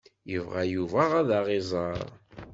Ibɣa Yuba ad aɣ-iẓer.